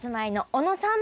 小野さん